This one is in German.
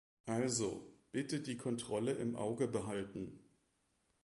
Also, bitte die Kontrolle im Auge behalten!